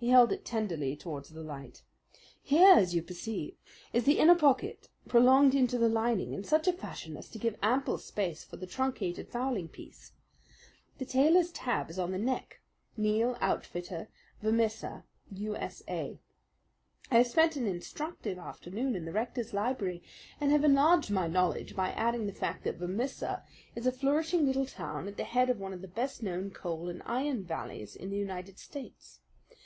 He held it tenderly towards the light. "Here, as you perceive, is the inner pocket prolonged into the lining in such fashion as to give ample space for the truncated fowling piece. The tailor's tab is on the neck 'Neal, Outfitter, Vermissa, U.S.A.' I have spent an instructive afternoon in the rector's library, and have enlarged my knowledge by adding the fact that Vermissa is a flourishing little town at the head of one of the best known coal and iron valleys in the United States.